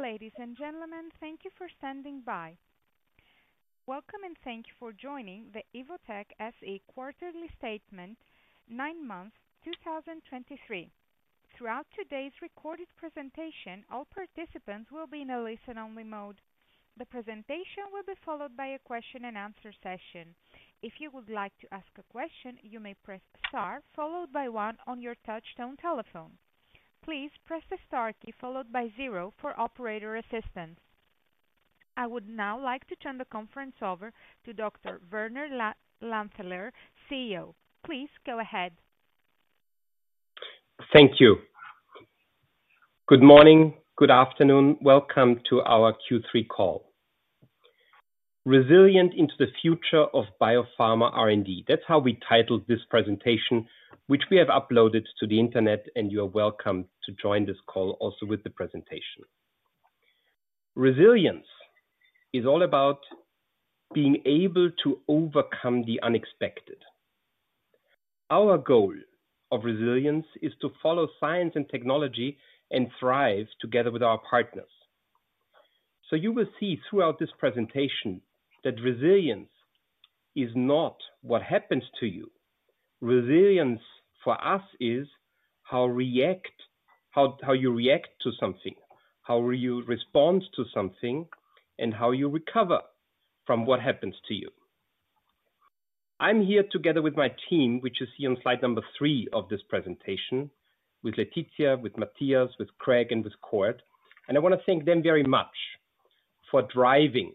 Ladies and gentlemen, thank you for standing by. Welcome and thank you for joining the Evotec SE quarterly statement, nine months, 2023. Throughout today's recorded presentation, all participants will be in a listen-only mode. The presentation will be followed by a question and answer session. If you would like to ask a question, you may press star followed by one on your touchtone telephone. Please press the star key followed by zero for operator assistance. I would now like to turn the conference over to Dr. Werner Lanthaler, CEO. Please go ahead. Thank you. Good morning. Good afternoon. Welcome to our Q3 call. Resilient into the Future of Biopharma R&D. That's how we titled this presentation, which we have uploaded to the internet, and you are welcome to join this call also with the presentation. Resilience is all about being able to overcome the unexpected. Our goal of resilience is to follow science and technology and thrive together with our partners. So you will see throughout this presentation that resilience is not what happens to you. Resilience for us is how you react to something, how you respond to something, and how you recover from what happens to you. I'm here together with my team, which you see on slide number three of this presentation, with Laetitia, with Matthias, with Craig, and with Cord, and I want to thank them very much for driving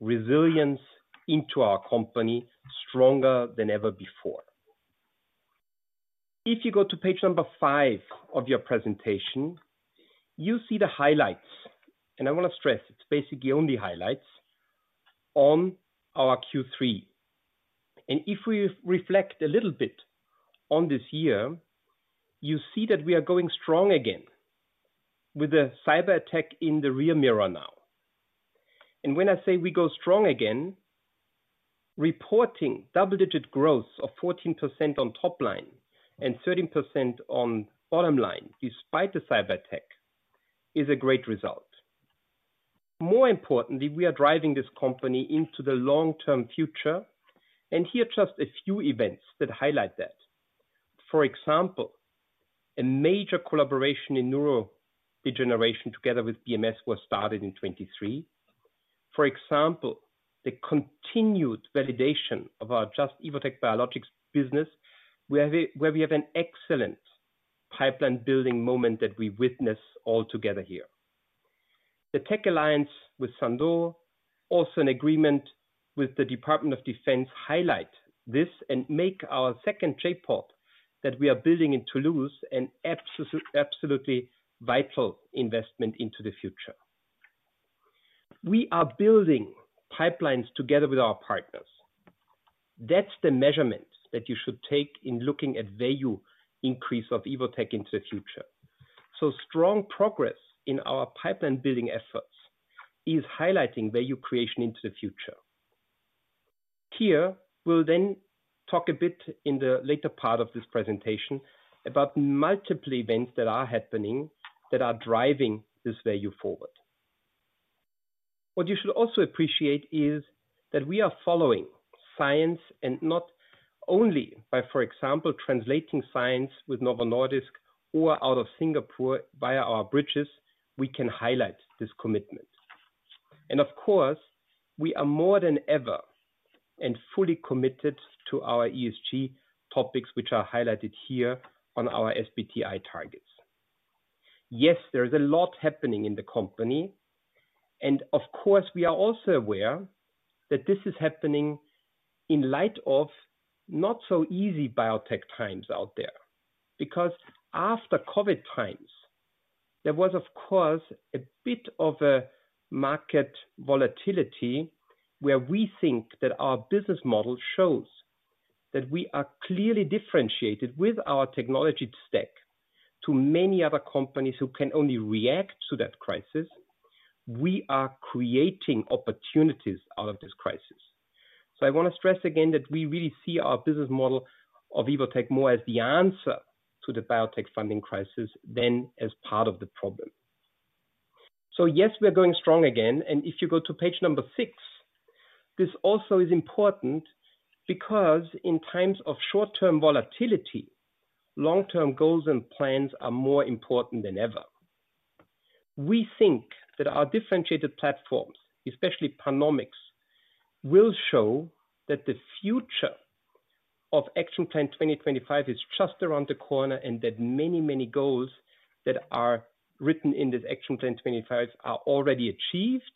resilience into our company stronger than ever before. If you go to page number five of your presentation, you see the highlights, and I want to stress it's basically only highlights on our Q3. If we reflect a little bit on this year, you see that we are going strong again with a cyber attack in the rear mirror now. When I say we go strong again, reporting double-digit growth of 14% on top line and 13% on bottom line, despite the cyber attack, is a great result. More importantly, we are driving this company into the long-term future, and here are just a few events that highlight that. For example, a major collaboration in neurodegeneration together with BMS was started in 2023. For example, the continued validation of our Just Evotec Biologics business, where we, where we have an excellent pipeline building moment that we witness all together here. The tech alliance with Sanofi, also an agreement with the Department of Defense, highlight this and make our second trade port that we are building in Toulouse an absolutely vital investment into the future. We are building pipelines together with our partners. That's the measurements that you should take in looking at value increase of Evotec into the future. So strong progress in our pipeline building efforts is highlighting value creation into the future. Here, we'll then talk a bit in the later part of this presentation about multiple events that are happening that are driving this value forward. What you should also appreciate is that we are following science, and not only by, for example, translating science with Novo Nordisk or out of Singapore via our bridges, we can highlight this commitment. Of course, we are more than ever and fully committed to our ESG topics, which are highlighted here on our SBTi targets. Yes, there is a lot happening in the company, and of course, we are also aware that this is happening in light of not so easy biotech times out there, because after COVID times, there was of course a bit of a market volatility where we think that our business model shows that we are clearly differentiated with our technology stack to many other companies who can only react to that crisis. We are creating opportunities out of this crisis. So I want to stress again that we really see our business model of Evotec more as the answer to the biotech funding crisis than as part of the problem. Yes, we are going strong again, and if you go to page 6, this also is important because in times of short-term volatility, long-term goals and plans are more important than ever. We think that our differentiated platforms, especially PanOmics, will show that the future of Action Plan 2025 is just around the corner, and that many, many goals that are written in this Action Plan 2025 are already achieved,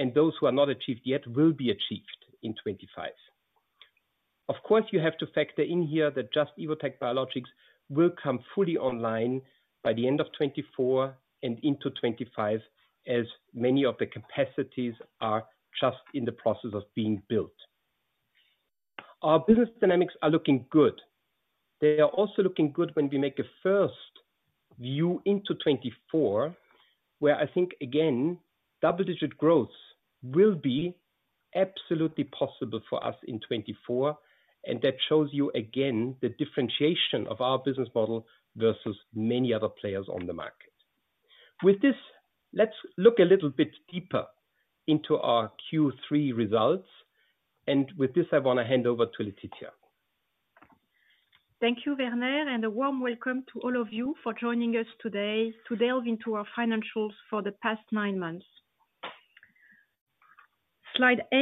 and those who are not achieved yet will be achieved in 25. Of course, you have to factor in here that Just – Evotec Biologics will come fully online by the end of 2024 and into 2025, as many of the capacities are just in the process of being built. Our business dynamics are looking good. They are also looking good when we make a first view into 2024, where I think again, double-digit growth will be absolutely possible for us in 2024, and that shows you again, the differentiation of our business model versus many other players on the market. With this, let's look a little bit deeper into our Q3 results. With this, I want to hand over to Laetitia. Thank you, Werner, and a warm welcome to all of you for joining us today to delve into our financials for the past nine months. Slide 8.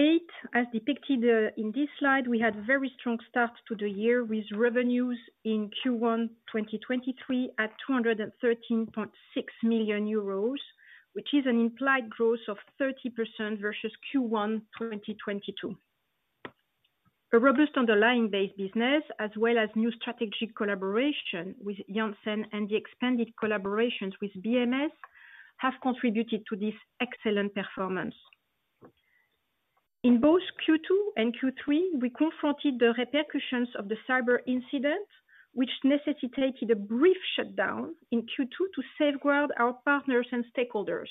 As depicted, in this slide, we had very strong start to the year, with revenues in Q1 2023 at 213.6 million euros, which is an implied growth of 30% versus Q1 2022. A robust underlying base business, as well as new strategic collaboration with Janssen and the expanded collaborations with BMS, have contributed to this excellent performance. In both Q2 and Q3, we confronted the repercussions of the cyber incident, which necessitated a brief shutdown in Q2 to safeguard our partners and stakeholders.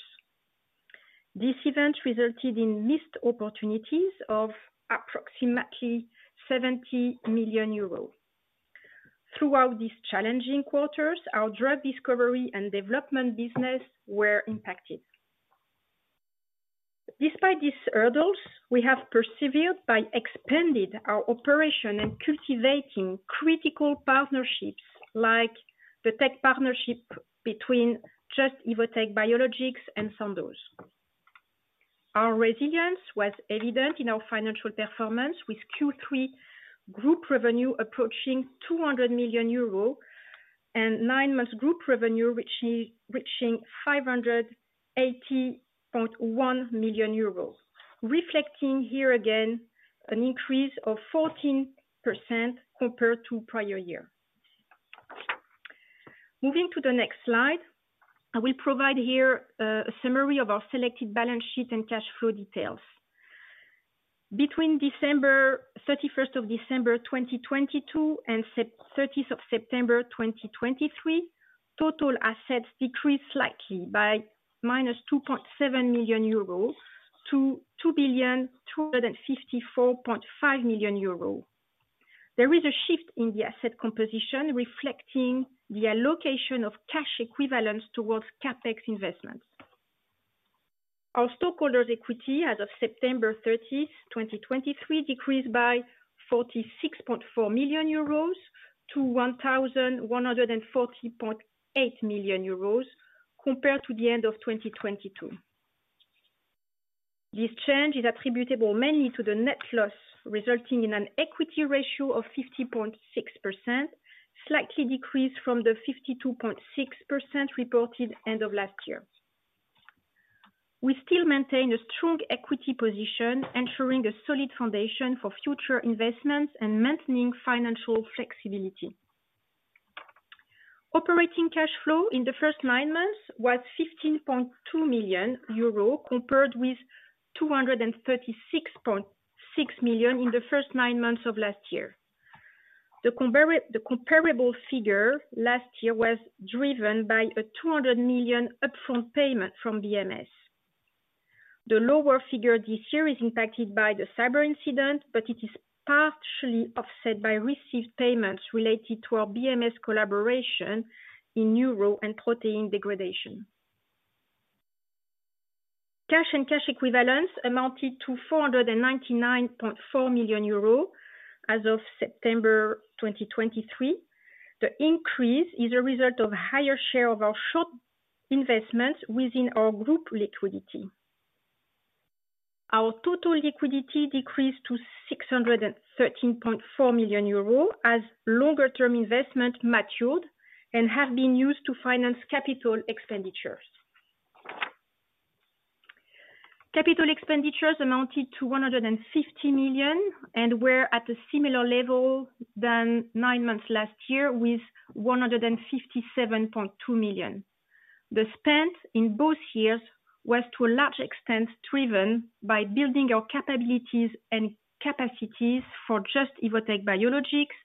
This event resulted in missed opportunities of approximately 70 million euros. Throughout these challenging quarters, our drug discovery and development business were impacted. Despite these hurdles, we have persevered by expanding our operation and cultivating critical partnerships, like the tech partnership between Just – Evotec Biologics and Sandoz. Our resilience was evident in our financial performance, with Q3 group revenue approaching 200 million euro and nine months group revenue, which is reaching 580.1 million euros, reflecting here again an increase of 14% compared to prior year. Moving to the next slide. I will provide here a summary of our selected balance sheet and cash flow details. Between December 31, 2022, and September 30, 2023, total assets decreased slightly by -2.7 million euro to 2,254.5 million euro. There is a shift in the asset composition, reflecting the allocation of cash equivalents towards CapEx investments. Our stockholders' equity as of September 30, 2023, decreased by 46.4 million euros to 1,140.8 million euros, compared to the end of 2022. This change is attributable mainly to the net loss, resulting in an equity ratio of 50.6%, slightly decreased from the 52.6% reported end of last year. We still maintain a strong equity position, ensuring a solid foundation for future investments and maintaining financial flexibility. Operating cash flow in the first nine months was 15.2 million euro, compared with 236.6 million in the first nine months of last year. The comparable figure last year was driven by a 200 million upfront payment from BMS. The lower figure this year is impacted by the cyber incident, but it is partially offset by received payments related to our BMS collaboration in neuro and protein degradation. Cash and cash equivalents amounted to 499.4 million euros as of September 2023. The increase is a result of higher share of our short investments within our group liquidity. Our total liquidity decreased to 613.4 million euros, as longer-term investments matured and have been used to finance capital expenditures. Capital expenditures amounted to 150 million and were at a similar level than nine months last year, with 157.2 million. The spend in both years was, to a large extent, driven by building our capabilities and capacities for Just – Evotec Biologics,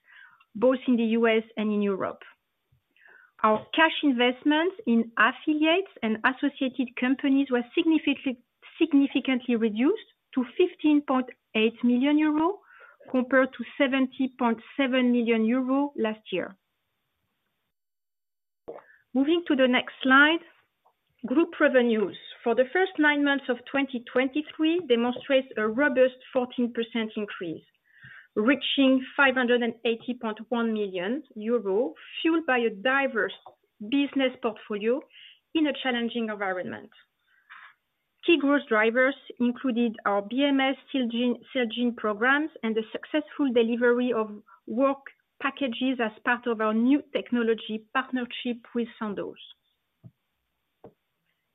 both in the U.S. and in Europe. Our cash investments in affiliates and associated companies were significantly, significantly reduced to 15.8 million euro, compared to 70.7 million euro last year. Moving to the next slide. Group revenues for the first nine months of 2023 demonstrates a robust 14% increase, reaching 580.1 million euro, fueled by a diverse business portfolio in a challenging environment. Key growth drivers included our BMS Celgene, Celgene programs and the successful delivery of work packages as part of our new technology partnership with Sandoz.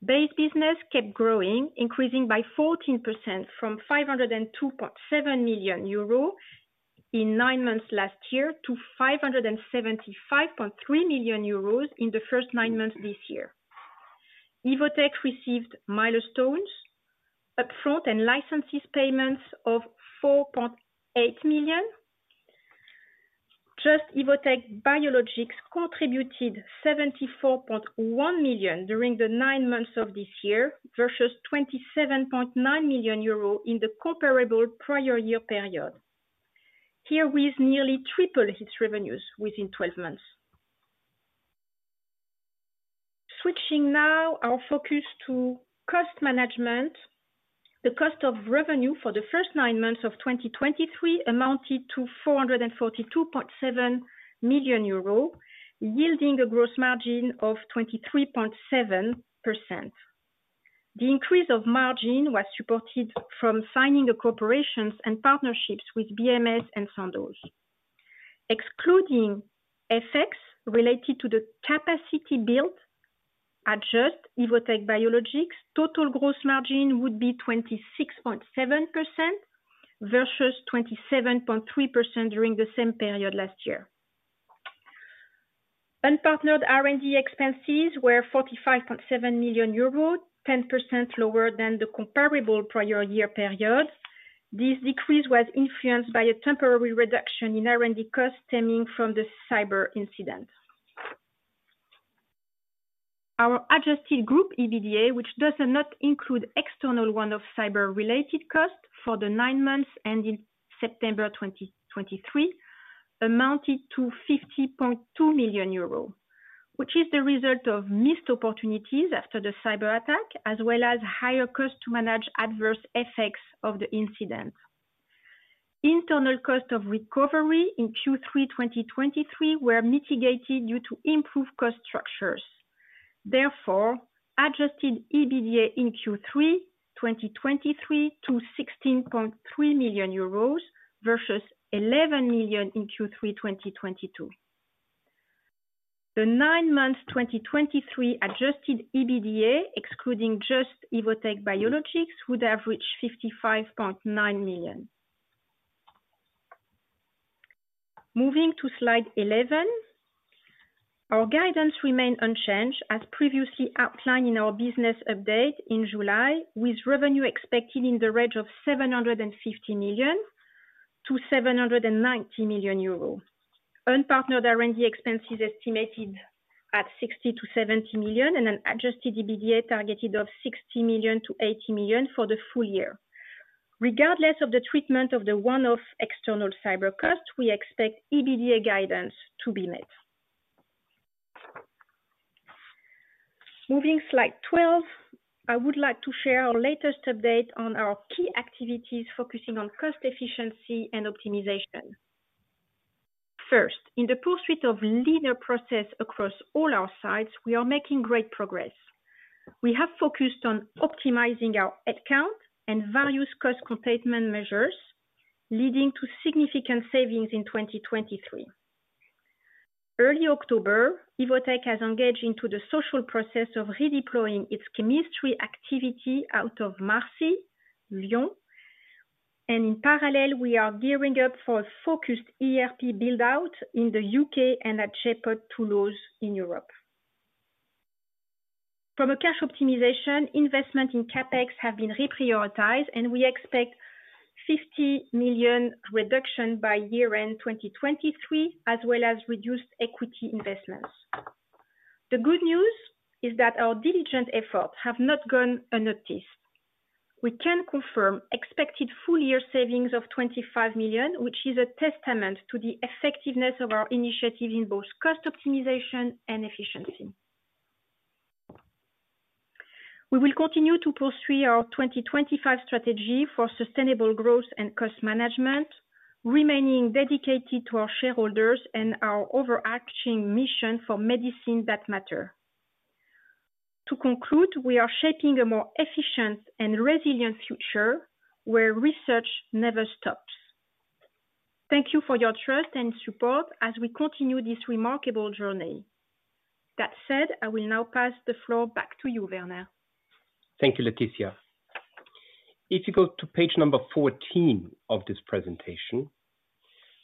Base business kept growing, increasing by 14% from 502.7 million euro in nine months last year to 575.3 million euros in the first nine months this year. Evotec received milestones, upfront and licenses payments of 4.8 million.... Just – Evotec Biologics contributed 74.1 million during the 9 months of this year, versus 27.9 million euro in the comparable prior year period. Here, we've nearly tripled its revenues within 12 months. Switching now our focus to cost management. The cost of revenue for the first 9 months of 2023 amounted to 442.7 million euros, yielding a gross margin of 23.7%. The increase of margin was supported from signing the collaborations and partnerships with BMS and Sandoz. Excluding effects related to the capacity built, Just – Evotec Biologics, total gross margin would be 26.7%, versus 27.3% during the same period last year. Unpartnered R&D expenses were 45.7 million euros, 10% lower than the comparable prior year period. This decrease was influenced by a temporary reduction in R&D costs stemming from the cyber incident. Our Adjusted Group EBITDA, which does not include external one-off cyber-related costs for the nine months ending September 2023, amounted to 50.2 million euros. Which is the result of missed opportunities after the cyber attack, as well as higher costs to manage adverse effects of the incident. Internal cost of recovery in Q3 2023 were mitigated due to improved cost structures. Therefore, Adjusted EBITDA in Q3 2023 to 16.3 million euros, versus 11 million in Q3 2022. The nine months 2023 Adjusted EBITDA, excluding Just – Evotec Biologics, would have reached 55.9 million. Moving to slide 11. Our guidance remain unchanged as previously outlined in our business update in July, with revenue expected in the range of 750 million-790 million euro. Unpartnered R&D expenses estimated at 60 million-70 million, and an Adjusted EBITDA targeted of 60 million-80 million for the full year. Regardless of the treatment of the one-off external cyber cost, we expect EBITDA guidance to be met. Moving slide 12, I would like to share our latest update on our key activities, focusing on cost efficiency and optimization. First, in the pursuit of leaner process across all our sites, we are making great progress. We have focused on optimizing our head count and various cost containment measures, leading to significant savings in 2023. Early October, Evotec has engaged into the social process of redeploying its chemistry activity out of Marcy-l'Étoile, Lyon, and in parallel, we are gearing up for a focused ERP build-out in the U.K. and at J.POD Toulouse in Europe. From a cash optimization, investment in CapEx have been reprioritized, and we expect 50 million reduction by year-end 2023, as well as reduced equity investments. The good news is that our diligent efforts have not gone unnoticed. We can confirm expected full year savings of 25 million, which is a testament to the effectiveness of our initiative in both cost optimization and efficiency. We will continue to pursue our 2025 strategy for sustainable growth and cost management, remaining dedicated to our shareholders and our overarching mission for medicine that matter. To conclude, we are shaping a more efficient and resilient future where research never stops. Thank you for your trust and support as we continue this remarkable journey. That said, I will now pass the floor back to you, Werner. Thank you, Laetitia. If you go to page 14 of this presentation,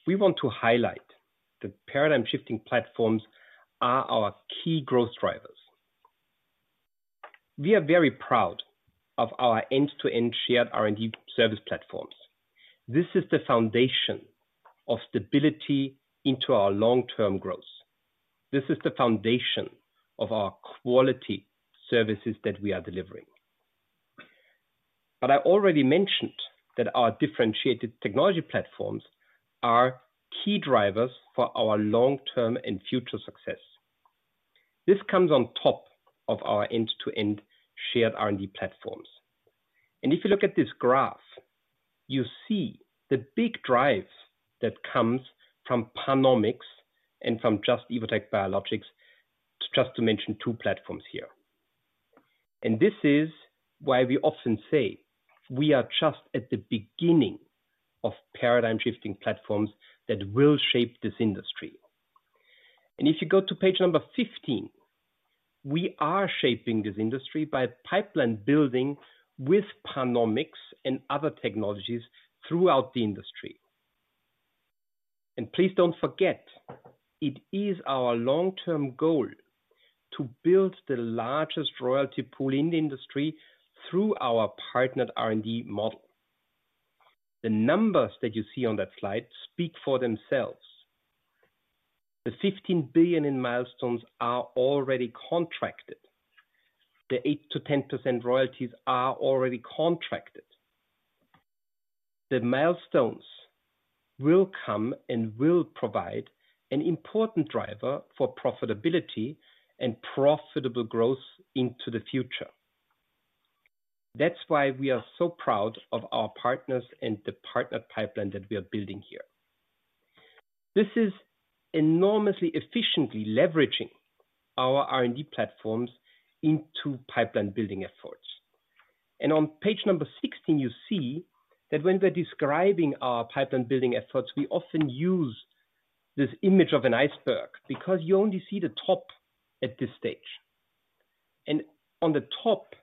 we want to highlight the paradigm-shifting platforms are our key growth drivers. We are very proud of our end-to-end Shared R&D service platforms. This is the foundation of stability into our long-term growth. This is the foundation of our quality services that we are delivering. But I already mentioned that our differentiated technology platforms are key drivers for our long-term and future success. This comes on top of our end-to-end Shared R&D platforms. And if you look at this graph, you see the big drive that comes from PanOmics and from Just - Evotec Biologics, just to mention two platforms here. And this is why we often say we are just at the beginning of paradigm-shifting platforms that will shape this industry. If you go to page number 15, we are shaping this industry by pipeline building with PanOmics and other technologies throughout the industry. Please don't forget, it is our long-term goal to build the largest royalty pool in the industry through our partnered R&D model. The numbers that you see on that slide speak for themselves. The 15 billion in milestones are already contracted. The 8%-10% royalties are already contracted. The milestones will come and will provide an important driver for profitability and profitable growth into the future. That's why we are so proud of our partners and the partner pipeline that we are building here. This is enormously efficiently leveraging our R&D platforms into pipeline building efforts. On page 16, you see that when we're describing our pipeline building efforts, we often use this image of an iceberg, because you only see the top at this stage. On the top,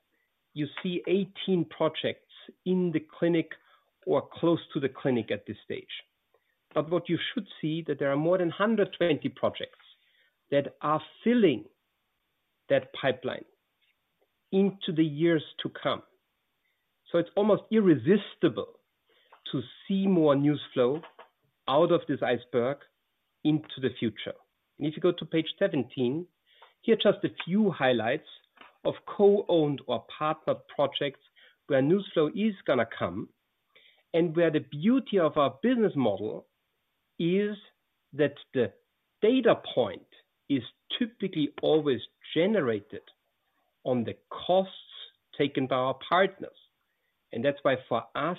you see 18 projects in the clinic or close to the clinic at this stage. But what you should see, that there are more than 120 projects that are filling that pipeline into the years to come. It's almost irresistible to see more news flow out of this iceberg into the future. If you go to page 17, here are just a few highlights of co-owned or partnered projects where news flow is gonna come, and where the beauty of our business model is that the data point is typically always generated on the costs taken by our partners. And that's why, for us,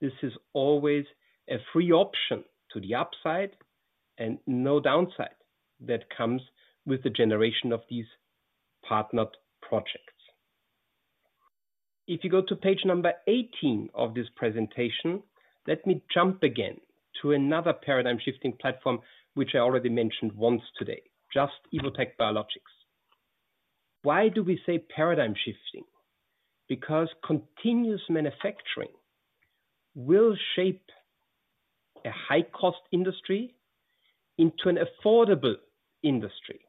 this is always a free option to the upside and no downside that comes with the generation of these partnered projects. If you go to page 18 of this presentation, let me jump again to another paradigm-shifting platform, which I already mentioned once today, Just Evotec Biologics. Why do we say paradigm shifting? Because continuous manufacturing will shape a high-cost industry into an affordable industry.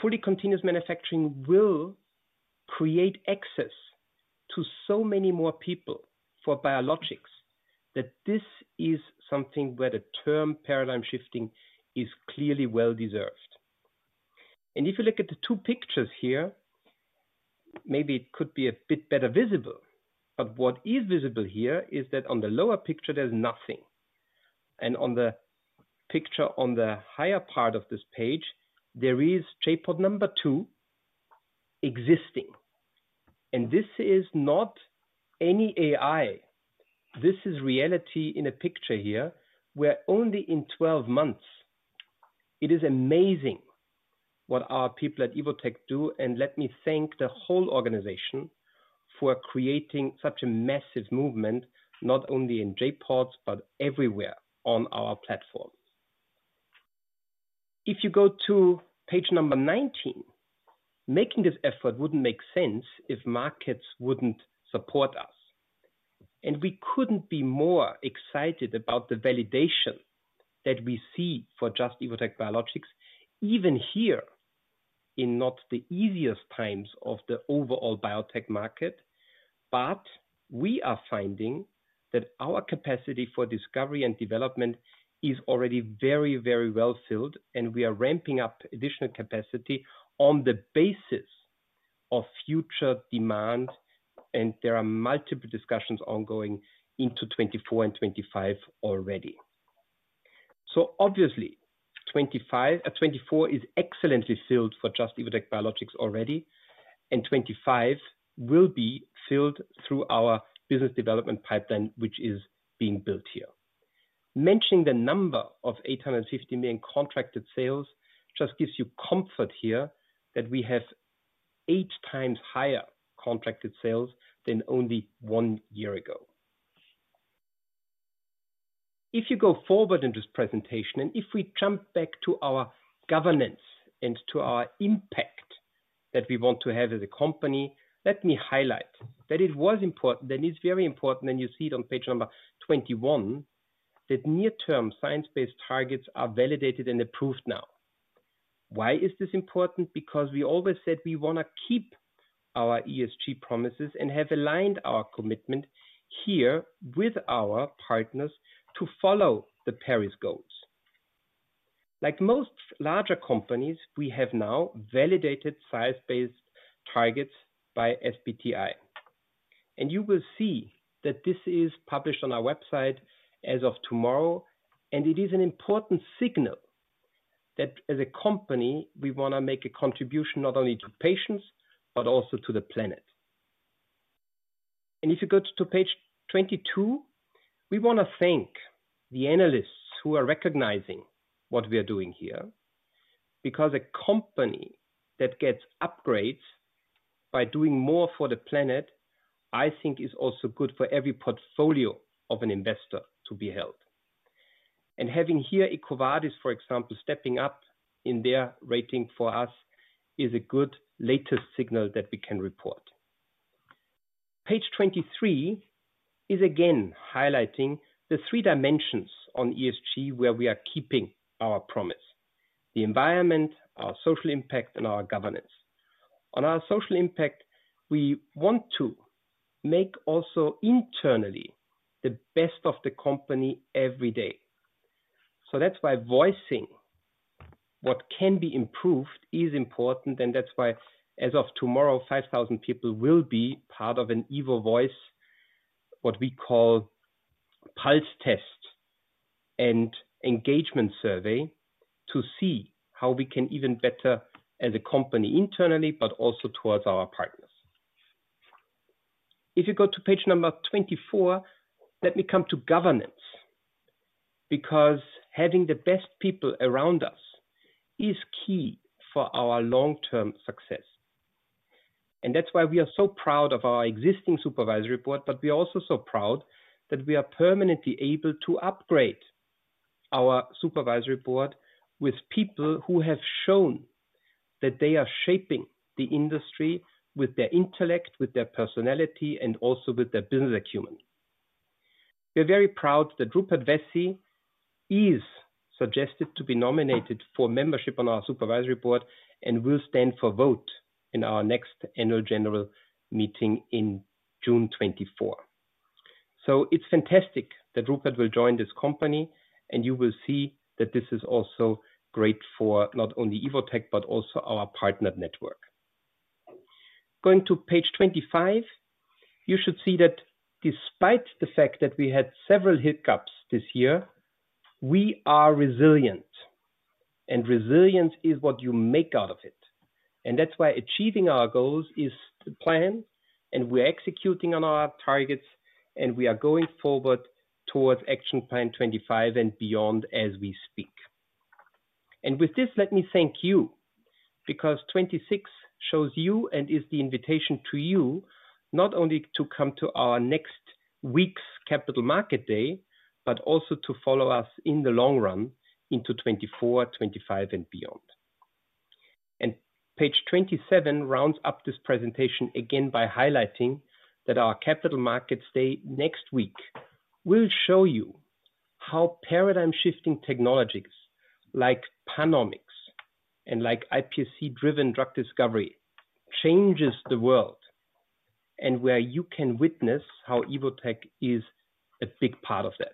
Fully continuous manufacturing will create access to so many more people for biologics, that this is something where the term paradigm shifting is clearly well-deserved. And if you look at the two pictures here, maybe it could be a bit better visible, but what is visible here is that on the lower picture, there's nothing. And on the picture on the higher part of this page, there is J.POD 2 existing. This is not any AI, this is reality in a picture here, where only in 12 months, it is amazing what our people at Evotec do. Let me thank the whole organization for creating such a massive movement, not only in J.PODs, but everywhere on our platforms. If you go to page number 19, making this effort wouldn't make sense if markets wouldn't support us. We couldn't be more excited about the validation that we see for Just – Evotec Biologics, even here in not the easiest times of the overall biotech market. We are finding that our capacity for discovery and development is already very, very well filled, and we are ramping up additional capacity on the basis of future demand, and there are multiple discussions ongoing into 2024 and 2025 already. So obviously, 25, 24 is excellently filled for Just – Evotec Biologics already, and 25 will be filled through our business development pipeline, which is being built here. Mentioning the number of 850 million contracted sales just gives you comfort here that we have 8 times higher contracted sales than only one year ago. If you go forward in this presentation, and if we jump back to our governance and to our impact that we want to have as a company, let me highlight that it was important, that it's very important, and you see it on page 21, that near-term science-based targets are validated and approved now. Why is this important? Because we always said we want to keep our ESG promises and have aligned our commitment here with our partners to follow the Paris goals. Like most larger companies, we have now validated science-based targets by SBTi. You will see that this is published on our website as of tomorrow, and it is an important signal that as a company, we want to make a contribution not only to patients, but also to the planet. If you go to page 22, we want to thank the analysts who are recognizing what we are doing here, because a company that gets upgrades by doing more for the planet, I think is also good for every portfolio of an investor to be held. Having here EcoVadis, for example, stepping up in their rating for us, is a good latest signal that we can report. Page 23 is again highlighting the three dimensions on ESG, where we are keeping our promise, the environment, our social impact, and our governance. On our social impact, we want to make also internally the best of the company every day. So that's why voicing what can be improved is important, and that's why, as of tomorrow, 5,000 people will be part of an EvoVoice, what we call pulse test and engagement survey, to see how we can even better as a company internally, but also towards our partners. If you go to page number 24, let me come to governance, because having the best people around us is key for our long-term success. That's why we are so proud of our existing supervisory board, but we are also so proud that we are permanently able to upgrade our supervisory board with people who have shown that they are shaping the industry with their intellect, with their personality, and also with their business acumen. We're very proud that Rupert Vessey is suggested to be nominated for membership on our supervisory board and will stand for vote in our next annual general meeting in June 2024. So it's fantastic that Rupert will join this company, and you will see that this is also great for not only Evotec, but also our partner network. Going to page 25, you should see that despite the fact that we had several hiccups this year, we are resilient, and resilience is what you make out of it. And that's why achieving our goals is the plan, and we're executing on our targets, and we are going forward towards action plan 25 and beyond as we speak. And with this, let me thank you, because 26 shows you and is the invitation to you, not only to come to our next week's Capital Market Day, but also to follow us in the long run into 2024, 2025, and beyond. And page 27 rounds up this presentation again by highlighting that our Capital Markets Day next week will show you how paradigm-shifting technologies like PanOmics and like iPSC-driven drug discovery changes the world, and where you can witness how Evotec is a big part of that.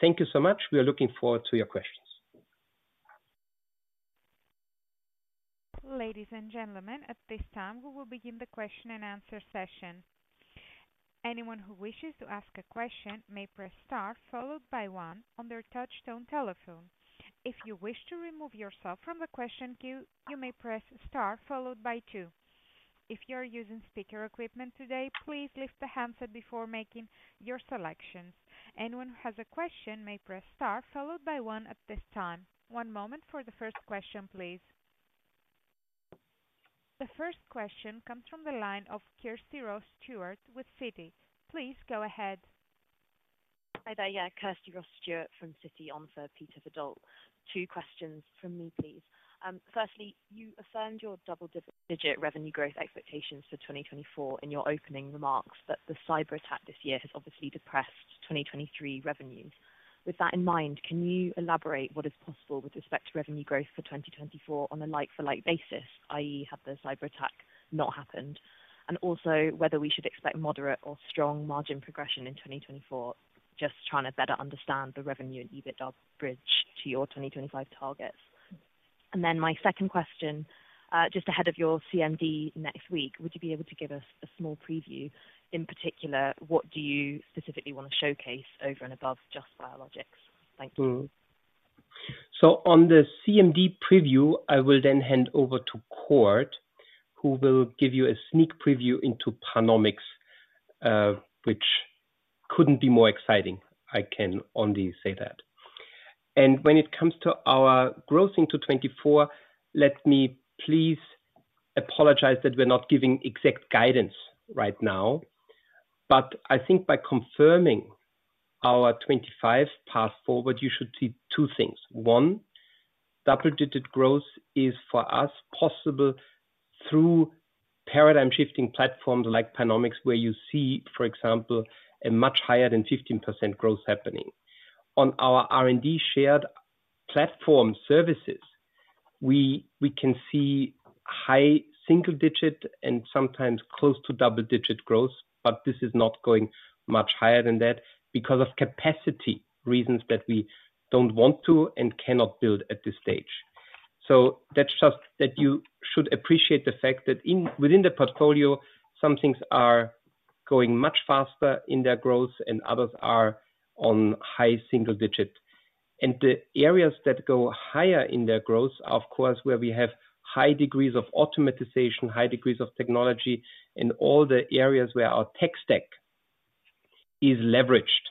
Thank you so much. We are looking forward to your questions. Ladies and gentlemen, at this time, we will begin the question and answer session. Anyone who wishes to ask a question may press star, followed by one on their touchtone telephone. If you wish to remove yourself from the question queue, you may press star followed by two. If you are using speaker equipment today, please lift the handset before making your selections. Anyone who has a question may press star followed by one at this time. One moment for the first question, please. The first question comes from the line of Kirsty Ross-Stewart with Citi. Please go ahead. Hi there. Yeah, Kirsty Ross-Stewart from Citi on for Peter Verdult. Two questions from me, please. Firstly, you affirmed your double-digit revenue growth expectations for 2024 in your opening remarks, that the cyber attack this year has obviously depressed 2023 revenues. With that in mind, can you elaborate what is possible with respect to revenue growth for 2024 on a like-for-like basis, i.e., had the cyber attack not happened, and also whether we should expect moderate or strong margin progression in 2024? Just trying to better understand the revenue and EBITDA bridge to your 2025 targets. And then my second question, just ahead of your CMD next week, would you be able to give us a small preview? In particular, what do you specifically want to showcase over and above Just Biologics? Thank you. So on the CMD preview, I will then hand over to Cord, who will give you a sneak preview into PanOmics, which couldn't be more exciting. I can only say that. And when it comes to our growth into 2024, let me please apologize that we're not giving exact guidance right now, but I think by confirming our 2025 path forward, you should see two things. One, double-digit growth is, for us, possible through paradigm-shifting platforms like PanOmics, where you see, for example, a much higher than 15% growth happening. On our R&D shared platform services, we can see high single-digit and sometimes close to double-digit growth, but this is not going much higher than that because of capacity reasons that we don't want to and cannot build at this stage. So that's just that you should appreciate the fact that within the portfolio, some things are going much faster in their growth and others are on high single digit. And the areas that go higher in their growth are, of course, where we have high degrees of automation, high degrees of technology, in all the areas where our tech stack is leveraged.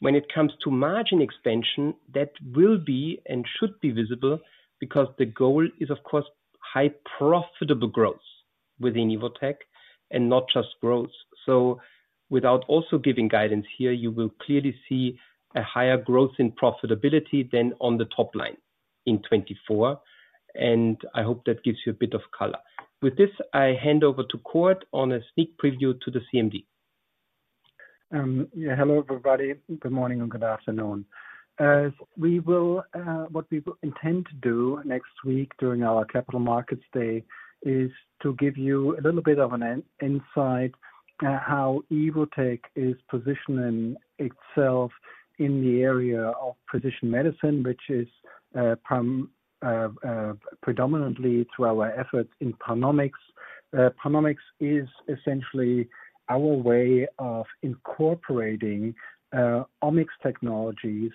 When it comes to margin expansion, that will be and should be visible because the goal is, of course, high profitable growth within Evotec and not just growth. So without also giving guidance here, you will clearly see a higher growth in profitability than on the top line in 2024, and I hope that gives you a bit of color. With this, I hand over to Kurt on a sneak preview to the CMD. Yeah, hello, everybody. Good morning and good afternoon. We will, what we will intend to do next week during our Capital Markets Day, is to give you a little bit of an insight, how Evotec is positioning itself in the area of precision medicine, which is, predominantly through our efforts in PanOmics. PanOmics is essentially our way of incorporating, Omics technologies,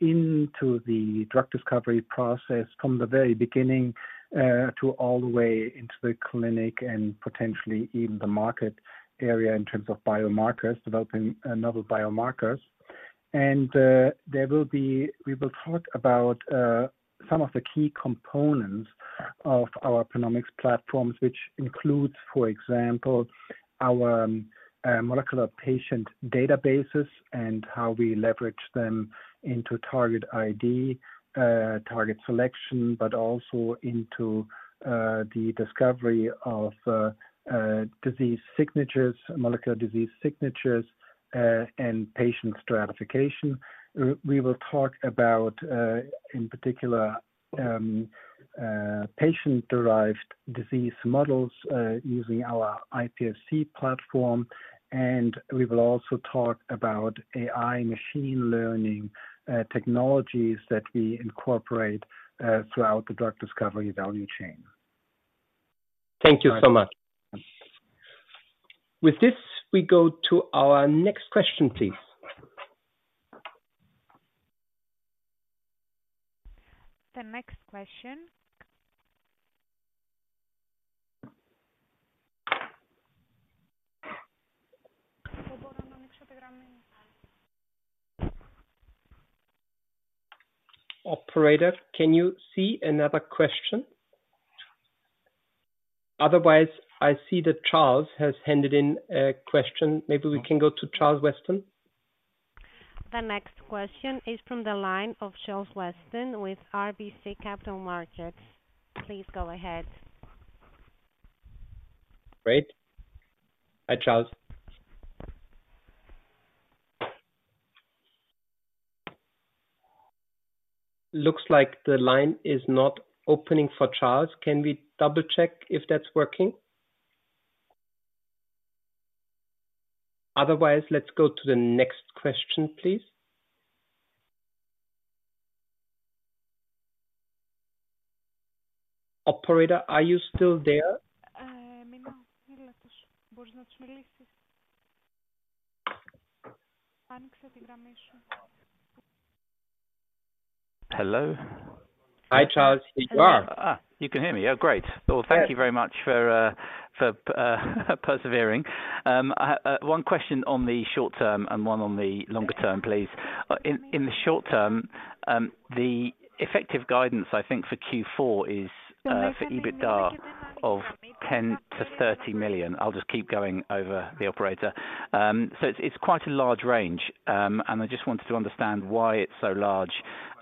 into the drug discovery process from the very beginning, to all the way into the clinic and potentially even the market area in terms of biomarkers, developing another biomarkers. We will talk about some of the key components of our PanOmics platforms, which includes, for example, our molecular patient databases and how we leverage them into target ID, target selection, but also into the discovery of disease signatures, molecular disease signatures, and patient stratification. We will talk about in particular patient-derived disease models using our iPSC platform. We will also talk about AI machine learning technologies that we incorporate throughout the drug discovery value chain. Thank you so much. With this, we go to our next question, please. The next question. Operator, can you see another question? Otherwise, I see that Charles has handed in a question. Maybe we can go to Charles Weston. The next question is from the line of Charles Weston with RBC Capital Markets. Please go ahead. Great. Hi, Charles. Looks like the line is not opening for Charles. Can we double-check if that's working? Otherwise, let's go to the next question, please. Operator, are you still there? Hello? Hi, Charles. Here you are. Ah, you can hear me. Oh, great. Well, thank you very much for persevering. One question on the short term and one on the longer term, please. In the short term, the effective guidance, I think, for Q4 is for EBITDA of 10 million-30 million. I'll just keep going over the operator. So it's quite a large range. And I just wanted to understand why it's so large,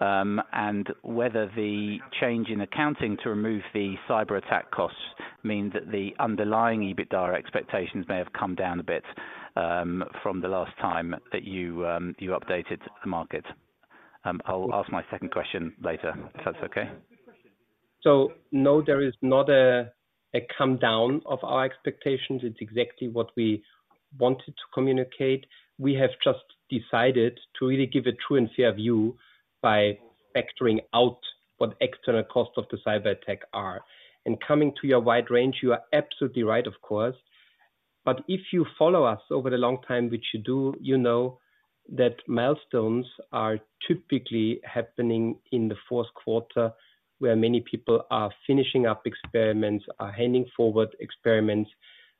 and whether the change in accounting to remove the cyber attack costs means that the underlying EBITDA expectations may have come down a bit from the last time that you updated the market. I'll ask my second question later, if that's okay. So no, there is not a come down of our expectations. It's exactly what we wanted to communicate. We have just decided to really give a true and fair view by factoring out what external costs of the cyber attack are. And coming to your wide range, you are absolutely right, of course. But if you follow us over the long time, which you do, you know that milestones are typically happening in the fourth quarter, where many people are finishing up experiments, are handing forward experiments.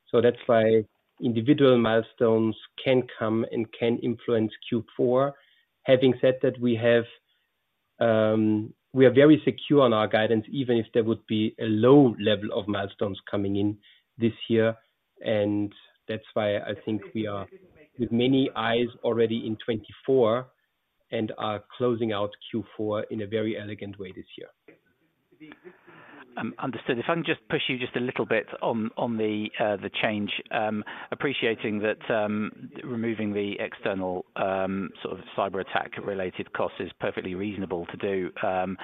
So that's why individual milestones can come and can influence Q4. Having said that, we have, we are very secure on our guidance, even if there would be a low level of milestones coming in this year, and that's why I think we are with many eyes already in 2024 and are closing out Q4 in a very elegant way this year. Understood. If I can just push you just a little bit on the change, appreciating that removing the external sort of cyber attack related cost is perfectly reasonable to do from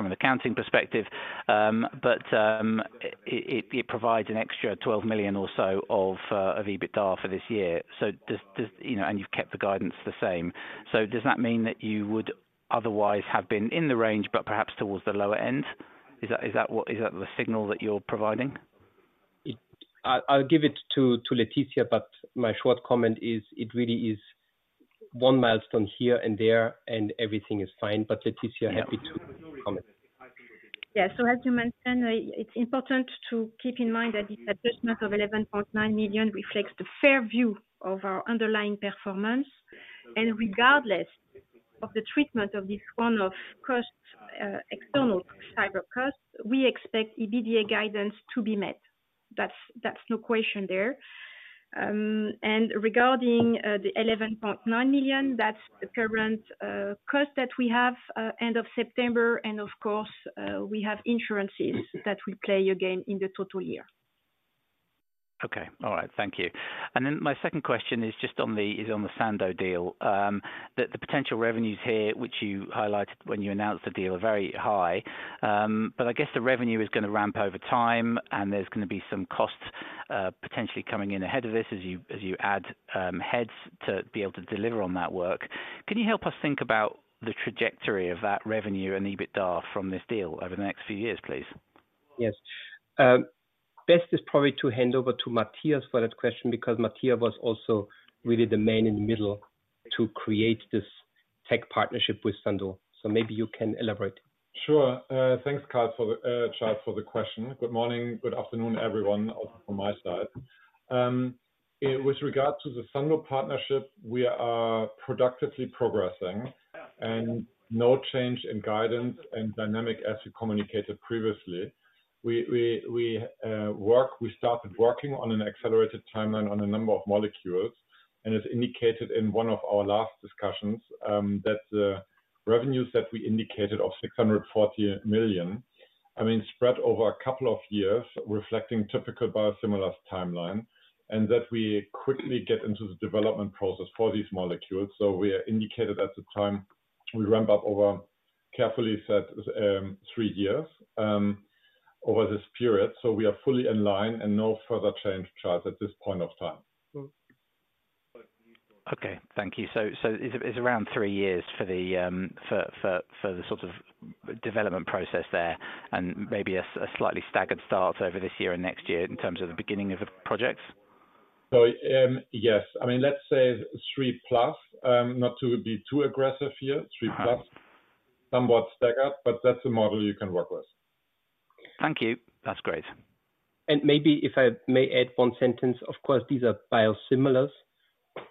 an accounting perspective. But it provides an extra 12 million or so of EBITDA for this year. So, you know, and you've kept the guidance the same. So does that mean that you would otherwise have been in the range, but perhaps towards the lower end? Is that what is the signal that you're providing? I'll give it to Laetitia, but my short comment is, it really is one milestone here and there, and everything is fine. But Laetitia, happy to comment. Yes. So as you mentioned, it's important to keep in mind that this adjustment of 11.9 million reflects the fair view of our underlying performance. Regardless of the treatment of this one-off cost, cyber costs, we expect EBITDA guidance to be met. That's, that's no question there. And regarding the 11.9 million, that's the current cost that we have end of September, and of course, we have insurances that will play again in the total year. Okay. All right. Thank you. And then my second question is just on the Sandoz deal. The potential revenues here, which you highlighted when you announced the deal, are very high. But I guess the revenue is going to ramp over time, and there's going to be some costs, potentially coming in ahead of this as you add heads to be able to deliver on that work. Can you help us think about the trajectory of that revenue and EBITDA from this deal over the next few years, please? Yes. Best is probably to hand over to Matthias for that question because Matthias was also really the man in the middle to create this tech partnership with Sandoz. Maybe you can elaborate. Sure. Thanks, Carl for the, Charles, for the question. Good morning, good afternoon, everyone, also from my side. With regards to the Sandoz partnership, we are productively progressing, and no change in guidance and dynamic as we communicated previously. We started working on an accelerated timeline on a number of molecules, and as indicated in one of our last discussions, that the revenues that we indicated of 640 million, I mean, spread over a couple of years, reflecting typical biosimilars timeline, and that we quickly get into the development process for these molecules. So we are indicated at the time, we ramp up over carefully set three years over this period, so we are fully in line and no further change, Charles, at this point of time. Okay, thank you. So, it's around three years for the sort of development process there, and maybe a slightly staggered start over this year and next year in terms of the beginning of the projects? So, yes. I mean, let's say 3+, not to be too aggressive here. 3+, somewhat staggered, but that's a model you can work with. Thank you. That's great. And maybe if I may add one sentence, of course, these are biosimilars,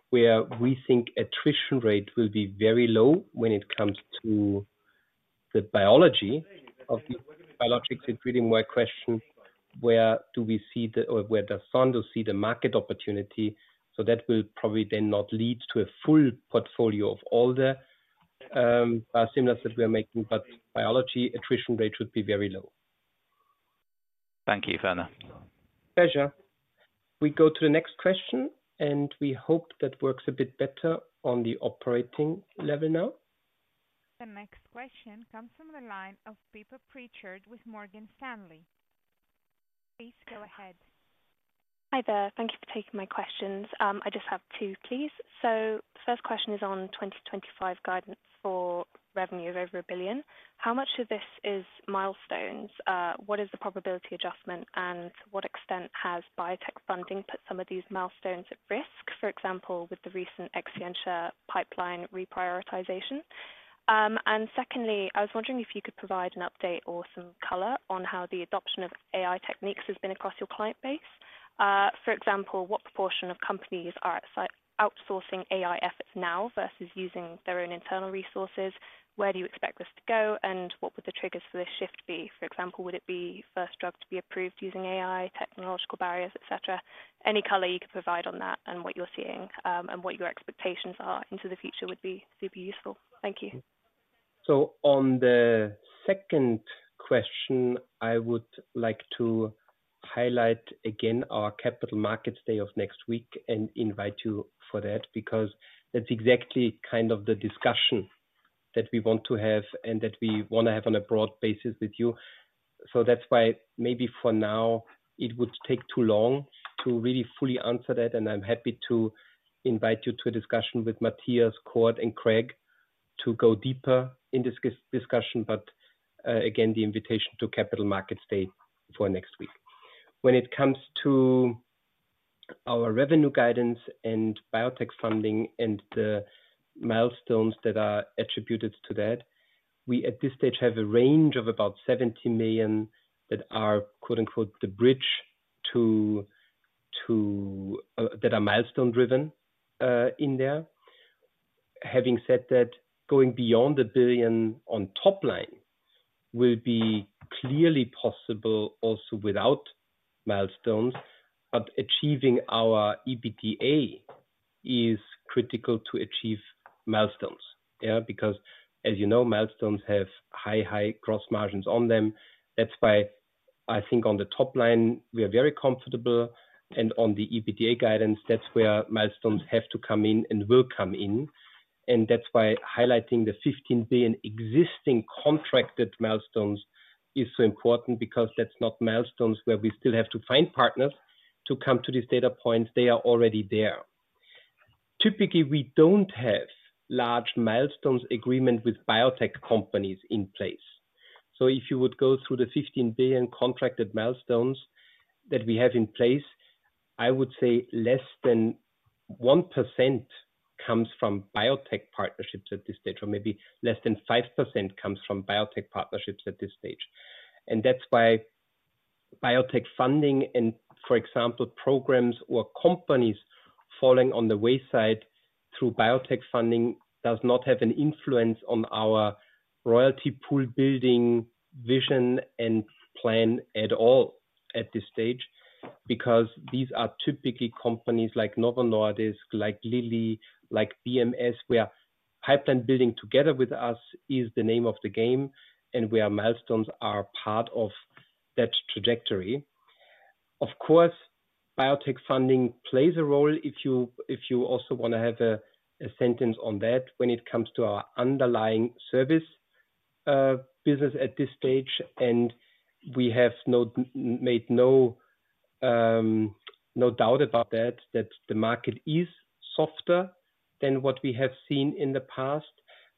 where we think attrition rate will be very low when it comes to the biology of the biologics is really more a question, where do we see the, or where does Sando see the market opportunity? So that will probably then not lead to a full portfolio of all the biosimilars that we are making, but biology attrition rate should be very low. Thank you, Werner. Pleasure. We go to the next question, and we hope that works a bit better on the operating level now. The next question comes from the line of Philippa Pritchard with Morgan Stanley. Please go ahead. Hi, there. Thank you for taking my questions. I just have two, please. So the first question is on 2025 guidance for revenue of over 1 billion. How much of this is milestones? What is the probability adjustment, and what extent has biotech funding put some of these milestones at risk, for example, with the recent Exscientia pipeline reprioritization? And secondly, I was wondering if you could provide an update or some color on how the adoption of AI techniques has been across your client base? For example, what proportion of companies are outsourcing AI efforts now versus using their own internal resources? Where do you expect this to go, and what would the triggers for this shift be? For example, would it be first drug to be approved using AI, technological barriers, et cetera? Any color you could provide on that and what you're seeing, and what your expectations are into the future would be super useful. Thank you. So on the second question, I would like to highlight again our Capital Markets Day of next week and invite you for that, because that's exactly kind of the discussion that we want to have and that we want to have on a broad basis with you. So that's why maybe for now, it would take too long to really fully answer that, and I'm happy to invite you to a discussion with Matthias, Cord, and Craig to go deeper in this discussion, but again, the invitation to Capital Markets Day for next week. When it comes to our revenue guidance and biotech funding and the milestones that are attributed to that, we at this stage have a range of about 70 million that are, quote, unquote, "The bridge" to that are milestone driven in there. Having said that, going beyond 1 billion on top line will be clearly possible also without milestones, but achieving our EBITDA is critical to achieve milestones. Yeah, because as you know, milestones have high, high gross margins on them. That's why I think on the top line, we are very comfortable, and on the EBITDA guidance, that's where milestones have to come in and will come in. And that's why highlighting the 15 billion existing contracted milestones is so important, because that's not milestones where we still have to find partners to come to these data points. They are already there. Typically, we don't have large milestones agreement with biotech companies in place. So if you would go through the 15 billion contracted milestones that we have in place, I would say less than 1% comes from biotech partnerships at this stage, or maybe less than 5% comes from biotech partnerships at this stage. And that's why biotech funding and, for example, programs or companies falling on the wayside through biotech funding does not have an influence on our Royalty Pool Strategy, vision, and plan at all at this stage, because these are typically companies like Novo Nordisk, like Lilly, like BMS, where pipeline building together with us is the name of the game and where milestones are part of that trajectory. Of course, biotech funding plays a role, if you, if you also want to have a, a sentence on that when it comes to our underlying service, business at this stage, and we have no doubt about that, that the market is softer than what we have seen in the past.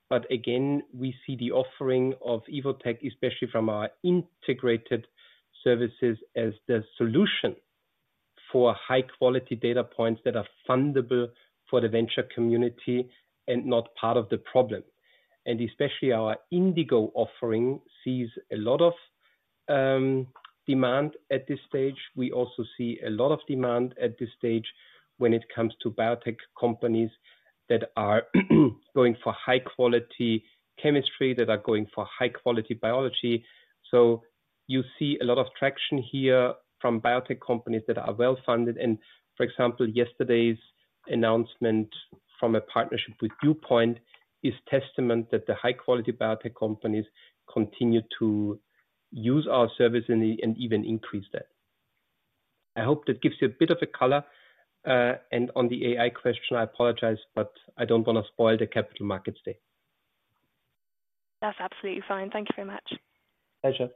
But again, we see the offering of Evotec, especially from our Integrated services, as the solution for high-quality data points that are fundable for the venture community and not part of the problem. And especially our Indigo offering sees a lot of demand at this stage. We also see a lot of demand at this stage when it comes to biotech companies that are going for high quality chemistry, that are going for high quality biology. So you see a lot of traction here from biotech companies that are well-funded. For example, yesterday's announcement from a partnership with Dewpoint is testament that the high-quality biotech companies continue to use our service and even increase that. I hope that gives you a bit of a color. And on the AI question, I apologize, but I don't want to spoil the Capital Markets Day. That's absolutely fine. Thank you very much. Pleasure.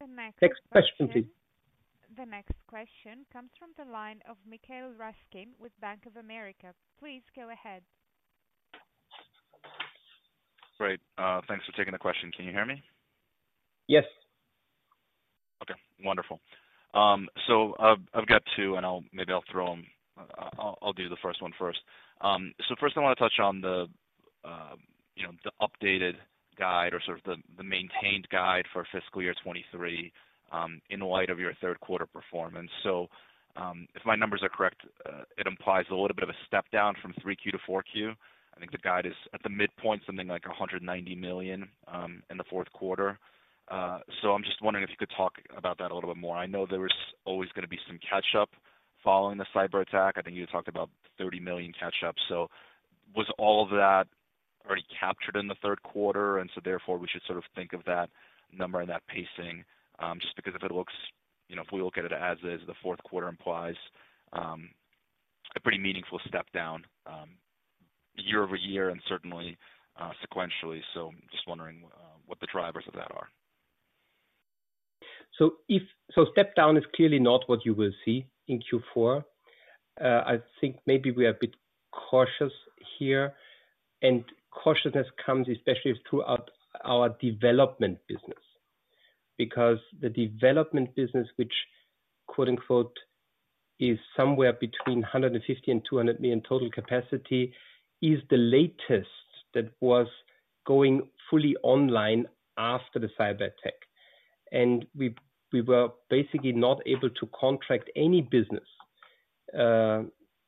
The next question- Next question, please. The next question comes from the line of Michael Ryskin with Bank of America. Please go ahead. Great. Thanks for taking the question. Can you hear me? Yes. Okay, wonderful. So I've got two, and I'll maybe I'll throw them. I'll do the first one first. So first I want to touch on the, you know, the updated guide or sort of the maintained guide for fiscal year 2023, in light of your third quarter performance. So if my numbers are correct, it implies a little bit of a step down from 3Q to 4Q. I think the guide is at the midpoint, something like 190 million, in the fourth quarter. So I'm just wondering if you could talk about that a little bit more. I know there was always going to be some catch up following the cyber attack. I think you talked about 30 million catch-up. So was all of that already captured in the third quarter, and so therefore, we should sort of think of that number and that pacing? Just because if it looks, you know, if we look at it as is, the fourth quarter implies a pretty meaningful step down year-over-year and certainly sequentially. So just wondering what the drivers of that are? So if so, step down is clearly not what you will see in Q4. I think maybe we are a bit cautious here, and cautiousness comes especially throughout our development business. Because the development business, which quote-unquote "is somewhere between 150 million and 200 million total capacity," is the latest that was going fully online after the cyber attack. And we, we were basically not able to contract any business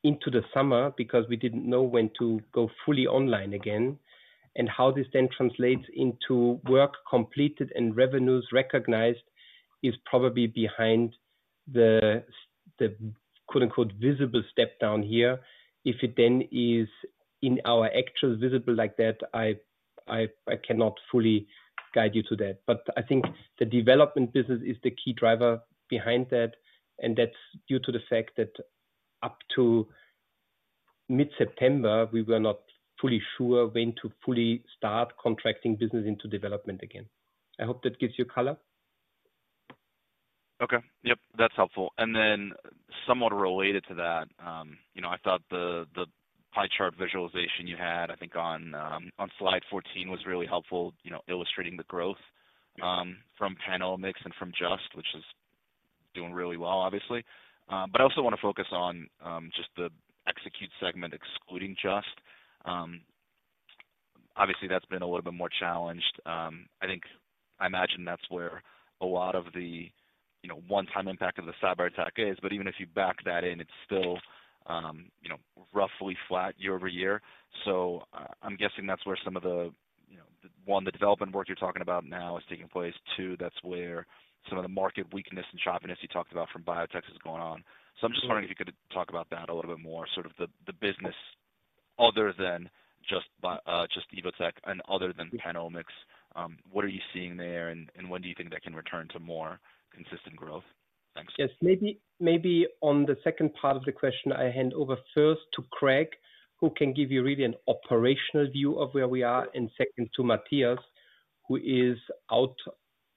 into the summer because we didn't know when to go fully online again. And how this then translates into work completed and revenues recognized is probably behind the quote-unquote "visible" step down here. If it then is in our actual visible like that, I cannot fully guide you to that. I think the development business is the key driver behind that, and that's due to the fact that up to mid-September, we were not fully sure when to fully start contracting business into development again. I hope that gives you color. Okay. Yep, that's helpful. And then somewhat related to that, you know, I thought the, the pie chart visualization you had, I think on, on slide 14, was really helpful, you know, illustrating the growth, from PanOmics and from Just, which is doing really well, obviously. But I also want to focus on, just the Evotec segment, excluding Just. Obviously, that's been a little bit more challenged. I think I imagine that's where a lot of the, you know, one-time impact of the cyber attack is. But even if you back that in, it's still, you know, roughly flat year-over-year. So I, I'm guessing that's where some of the, you know, one, the development work you're talking about now is taking place. Two, that's where some of the market weakness and choppiness you talked about from biotech is going on. I'm just wondering if you could talk about that a little bit more, sort of the business other than Just – Evotec Biologics and other than PanOmics. What are you seeing there, and when do you think that can return to more consistent growth? Thanks. Yes. Maybe, maybe on the second part of the question, I hand over first to Craig, who can give you really an operational view of where we are, and second, to Matthias, who is out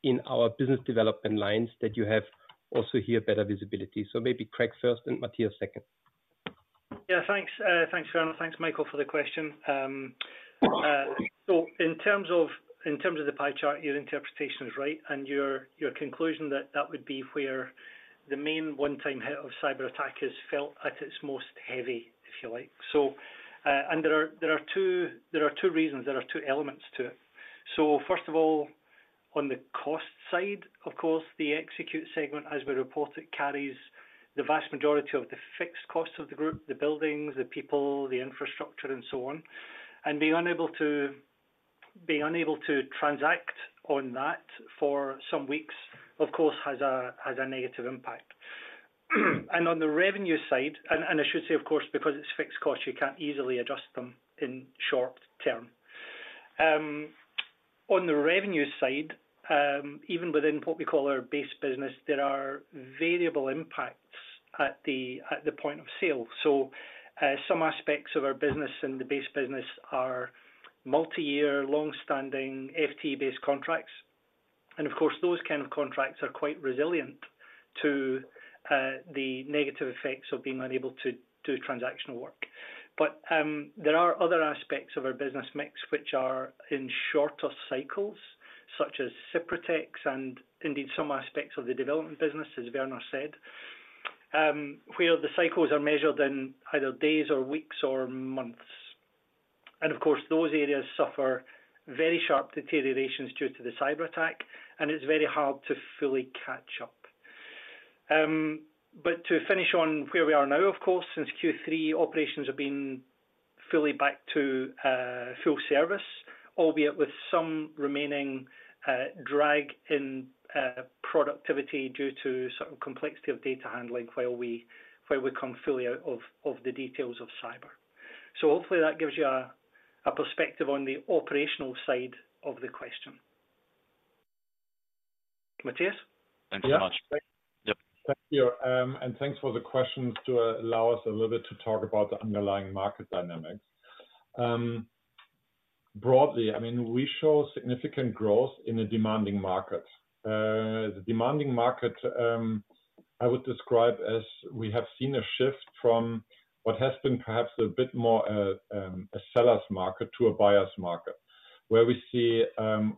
in our business development lines, that you have also here, better visibility. So maybe Craig first and Matthias second. Yeah, thanks. Thanks, Werner. Thanks, Michael, for the question. So in terms of the pie chart, your interpretation is right and your conclusion that that would be where the main one-time hit of cyber attack is felt at its most heavy, if you like. So, and there are two reasons, there are two elements to it. So first of all, on the cost side, of course, the Evotec segment, as we report it, carries the vast majority of the fixed costs of the group, the buildings, the people, the infrastructure, and so on. And being unable to transact on that for some weeks, of course, has a negative impact. And on the revenue side - and I should say, of course, because it's fixed costs, you can't easily adjust them in short term. On the revenue side, even within what we call our base business, there are variable impacts at the point of sale. So, some aspects of our business and the base business are multi-year, long-standing FTE-based contracts. And of course, those kind of contracts are quite resilient to the negative effects of being unable to do transactional work. But, there are other aspects of our business mix, which are in shorter cycles, such as Cyprotex and indeed, some aspects of the development business, as Werner said, where the cycles are measured in either days or weeks or months. And of course, those areas suffer very sharp deteriorations due to the cyber attack, and it's very hard to fully catch up. But to finish on where we are now, of course, since Q3, operations have been fully back to full service, albeit with some remaining drag in productivity due to sort of complexity of data handling while we come fully out of the details of cyber. So hopefully that gives you a perspective on the operational side of the question. Matthias? Thanks so much. Yeah. Yep. Thank you, and thanks for the question to allow us a little bit to talk about the underlying market dynamics. Broadly, I mean, we show significant growth in a demanding market. The demanding market, I would describe as we have seen a shift from what has been perhaps a bit more, a Seller’s market to a Buyer’s market. Where we see,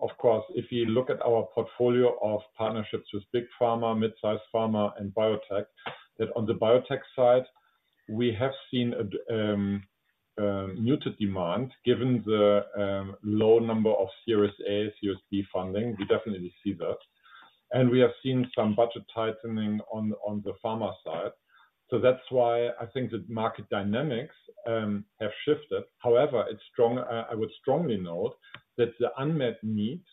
of course, if you look at our portfolio of partnerships with big pharma, mid-size pharma, and biotech, that on the biotech side, we have seen a muted demand given the, low number of Series A, Series B funding. We definitely see that. And we have seen some budget tightening on the pharma side. So that's why I think the market dynamics, have shifted. However, it's strong—I would strongly note that the unmet needs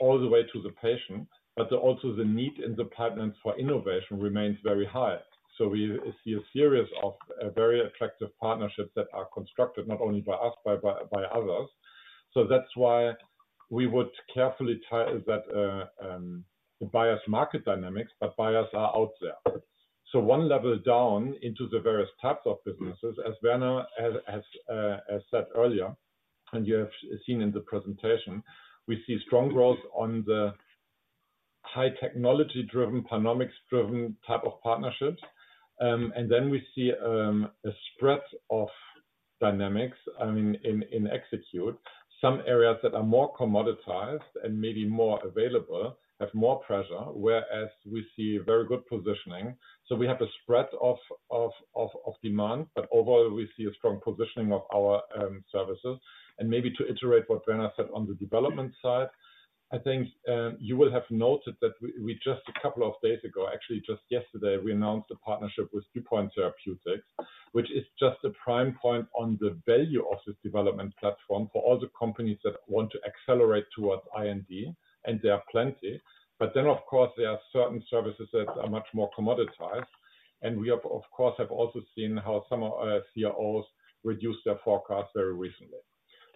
all the way to the patient, but also the need in departments for innovation remains very high. So we see a series of very attractive partnerships that are constructed not only by us, by others. So that's why we would carefully tie that, the Buyer’s market dynamics, but buyers are out there. So one level down into the various types of businesses, as Werner has said earlier, and you have seen in the presentation, we see strong growth on the high technology-driven, PanOmics-driven type of partnerships. And then we see a spread of dynamics, I mean, in Evotec. Some areas that are more commoditized and maybe more available, have more pressure, whereas we see very good positioning. So we have a spread of demand, but overall, we see a strong positioning of our services. And maybe to iterate what Werner said on the development side, I think you will have noted that we just a couple of days ago, actually, just yesterday, we announced a partnership with Dewpoint Therapeutics, which is just a prime point on the value of this development platform for all the companies that want to accelerate towards IND, and there are plenty. But then, of course, there are certain services that are much more commoditized. And we have, of course, also seen how some of our CROs reduced their forecast very recently.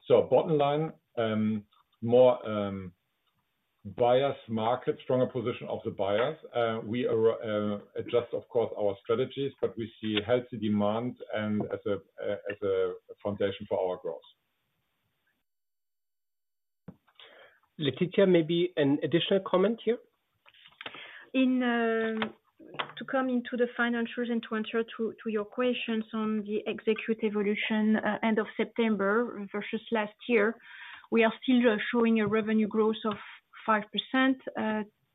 So bottom line, more buyers market, stronger position of the buyers. We are adjusting, of course, our strategies, but we see healthy demand and as a foundation for our growth. Laetitia, maybe an additional comment here? To come into the financials and to answer to your questions on the revenue evolution, end of September versus last year, we are still showing a revenue growth of 5%,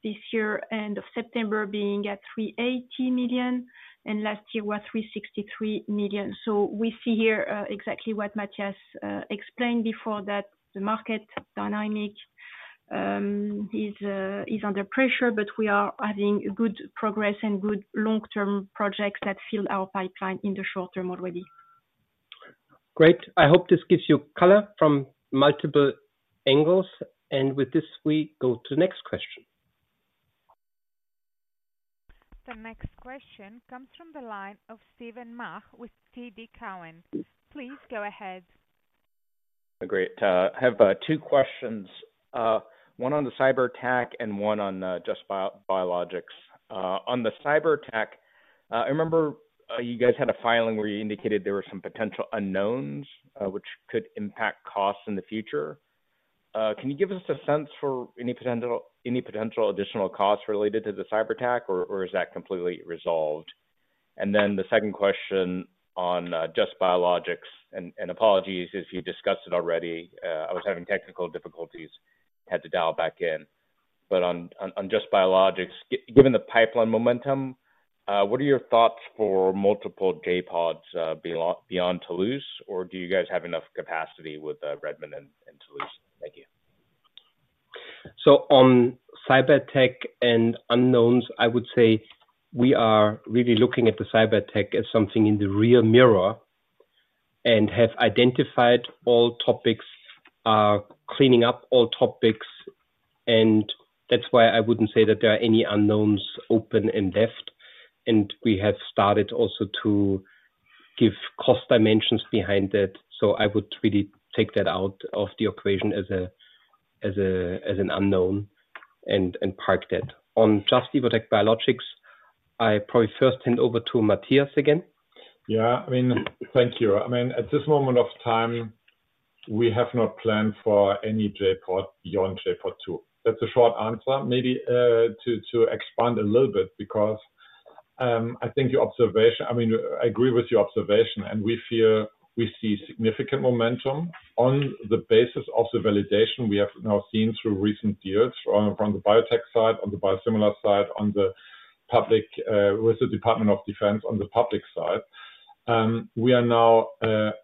this year, end of September being at 380 million, and last year was 363 million. So we see here exactly what Matthias explained before, that the market dynamic is under pressure, but we are adding good progress and good long-term projects that fill our pipeline in the short term already. Great. I hope this gives you color from multiple angles. With this, we go to the next question. The next question comes from the line of Steven Mah with TD Cowen. Please go ahead. Great. I have two questions, one on the cyber attack and one on just biologics. On the cyber attack, I remember you guys had a filing where you indicated there were some potential unknowns which could impact costs in the future. Can you give us a sense for any potential additional costs related to the cyber attack, or is that completely resolved? And then the second question on just biologics, and apologies if you discussed it already. I was having technical difficulties. Had to dial back in... but on just biologics, given the pipeline momentum, what are your thoughts for multiple J.PODs beyond Toulouse, or do you guys have enough capacity with Redmond and Toulouse? Thank you. So on cyber attack and unknowns, I would say we are really looking at the cyber attack as something in the rear mirror and have identified all topics, are cleaning up all topics, and that's why I wouldn't say that there are any unknowns open and left. And we have started also to give cost dimensions behind it. So I would really take that out of the equation as an unknown and park that. On Just – Evotec Biologics, I probably first hand over to Matthias again. Yeah, I mean, thank you. I mean, at this moment of time, we have not planned for any J.POD beyond J.POD 2. That's a short answer. Maybe, to expand a little bit, because, I think your observation—I mean, I agree with your observation, and we feel we see significant momentum on the basis of the validation we have now seen through recent years from the biotech side, on the biosimilar side, on the public, with the Department of Defense on the public side. We are now,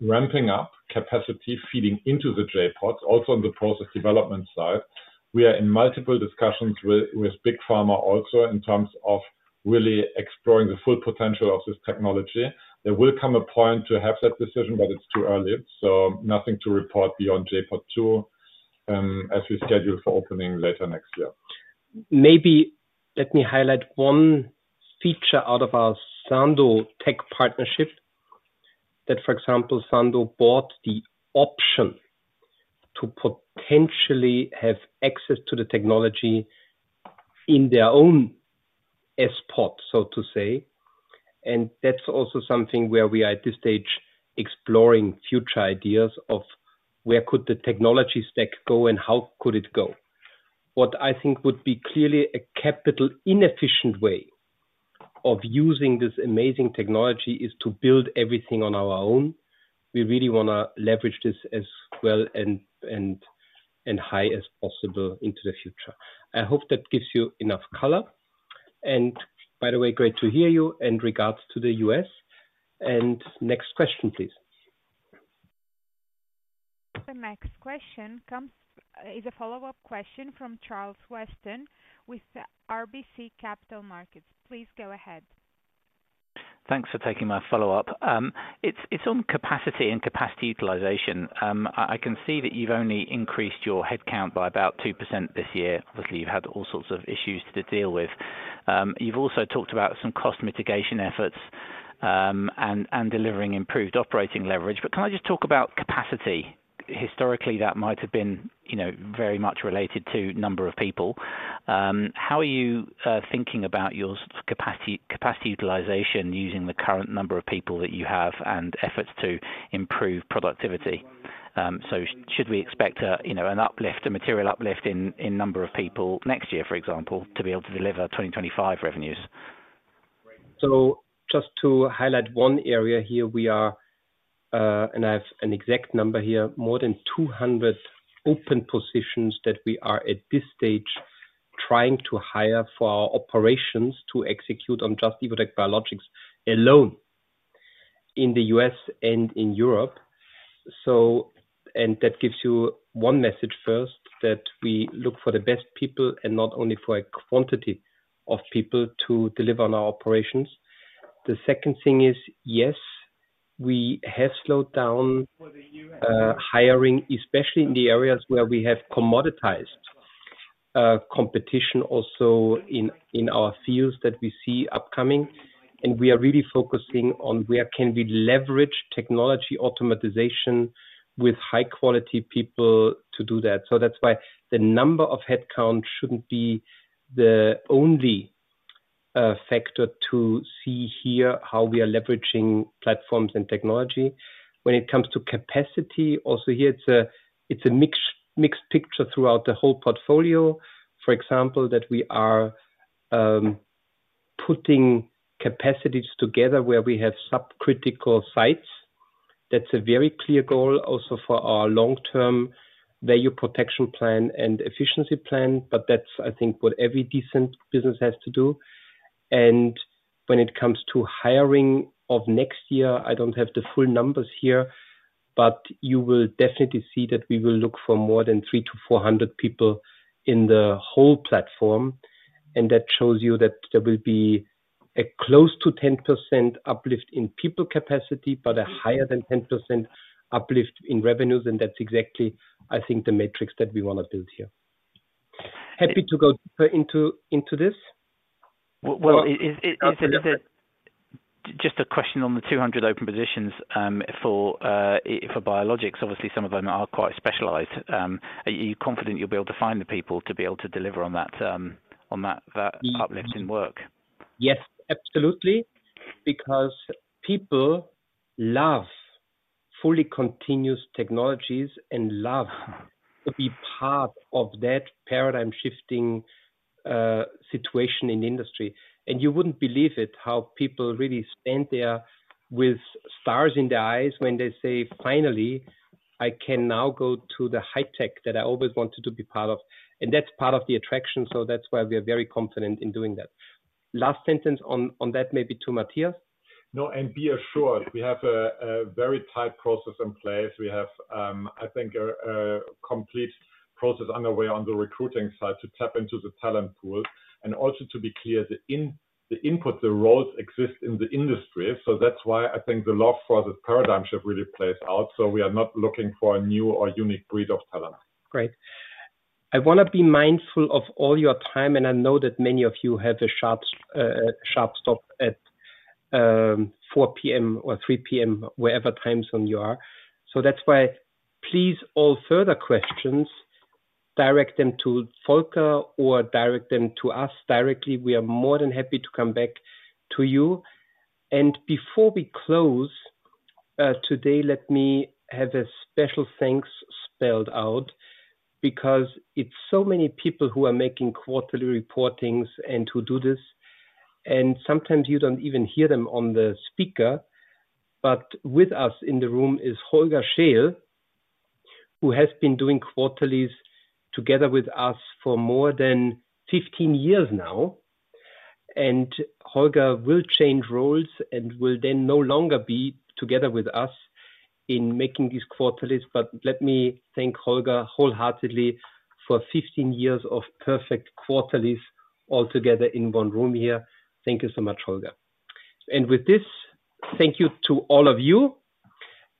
ramping up capacity feeding into the J.PODs, also on the process development side. We are in multiple discussions with, with Big Pharma also in terms of really exploring the full potential of this technology. There will come a point to have that decision, but it's too early, so nothing to report beyond J.POD 2, as we schedule for opening later next year. Maybe let me highlight one feature out of our Sandoz tech partnership. That, for example, Sandoz bought the option to potentially have access to the technology in their own S-POD, so to say. And that's also something where we are at this stage, exploring future ideas of where could the technology stack go and how could it go. What I think would be clearly a capital inefficient way of using this amazing technology is to build everything on our own. We really want to leverage this as well and as high as possible into the future. I hope that gives you enough color, and by the way, great to hear you and regards to the U.S. And next question, please. The next question comes, is a follow-up question from Charles Weston with RBC Capital Markets. Please go ahead. Thanks for taking my follow-up. It's on capacity and capacity utilization. I can see that you've only increased your headcount by about 2% this year. Obviously, you've had all sorts of issues to deal with. You've also talked about some cost mitigation efforts and delivering improved operating leverage. But can I just talk about capacity? Historically, that might have been, you know, very much related to number of people. How are you thinking about your capacity, capacity utilization using the current number of people that you have and efforts to improve productivity? So should we expect a, you know, an uplift, a material uplift in number of people next year, for example, to be able to deliver 2025 revenues? So just to highlight one area here, we are, and I have an exact number here, more than 200 open positions that we are at this stage trying to hire for our operations to execute on Just – Evotec Biologics alone in the US and in Europe. So, and that gives you one message first, that we look for the best people and not only for a quantity of people to deliver on our operations. The second thing is, yes, we have slowed down, hiring, especially in the areas where we have commoditized, competition also in, in our fields that we see upcoming. And we are really focusing on where can we leverage technology automatization with high quality people to do that. So that's why the number of headcount shouldn't be the only, factor to see here, how we are leveraging platforms and technology. When it comes to capacity, also here, it's a, it's a mixed, mixed picture throughout the whole portfolio. For example, that we are putting capacities together where we have subcritical sites. That's a very clear goal also for our long-term value protection plan and efficiency plan, but that's, I think, what every decent business has to do. And when it comes to hiring of next year, I don't have the full numbers here, but you will definitely see that we will look for more than 300-400 people in the whole platform, and that shows you that there will be a close to 10% uplift in people capacity, but a higher than 10% uplift in revenues, and that's exactly, I think, the metrics that we want to build here. Happy to go deeper into, into this? Well, is it just a question on the 200 open positions for biologics? Obviously, some of them are quite specialized. Are you confident you'll be able to find the people to be able to deliver on that uplift in work? Yes, absolutely, because people love fully continuous technologies and love to be part of that paradigm shifting situation in the industry. And you wouldn't believe it, how people really stand there with stars in their eyes when they say, "Finally!"... I can now go to the high tech that I always wanted to be part of, and that's part of the attraction. So that's why we are very confident in doing that. Last sentence on, on that, maybe to Matthias? No, and be assured, we have a very tight process in place. We have, I think, a complete process underway on the recruiting side to tap into the talent pool. And also to be clear, the input, the roles exist in the industry. So that's why I think the love for the paradigm shift really plays out. So we are not looking for a new or unique breed of talent. Great. I want to be mindful of all your time, and I know that many of you have a sharp stop at 4 P.M. or 3 P.M., wherever time zone you are. So that's why, please, all further questions, direct them to Volker or direct them to us directly. We are more than happy to come back to you. And before we close today, let me have a special thanks spelled out, because it's so many people who are making quarterly reportings and to do this, and sometimes you don't even hear them on the speaker. But with us in the room is Holger Scheel, who has been doing quarterlies together with us for more than 15 years now. And Holger will change roles and will then no longer be together with us in making these quarterlies. Let me thank Holger wholeheartedly for 15 years of perfect quarterlies all together in one room here. Thank you so much, Holger. With this, thank you to all of you,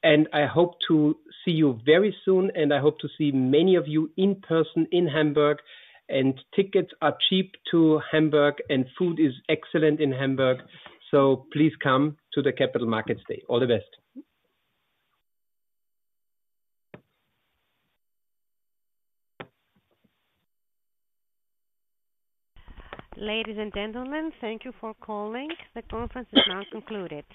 and I hope to see you very soon, and I hope to see many of you in person in Hamburg. Tickets are cheap to Hamburg, and food is excellent in Hamburg, so please come to the Capital Markets Day. All the best. Ladies and gentlemen, thank you for calling. The conference is now concluded.